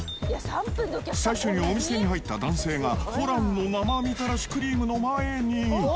最初にお店に入った男性がホランの生みたらしクリームの前に。